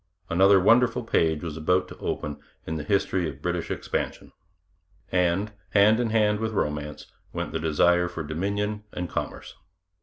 Another wonderful page was about to open in the history of British expansion. And, hand in hand with romance, went the desire for dominion and commerce.